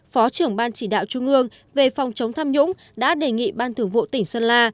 phó trưởng ban chỉ đạo trung ương về phòng chống tham nhũng đã đề nghị ban thường vụ tỉnh sơn la